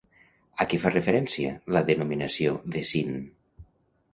A què fa referència la denominació de Syn?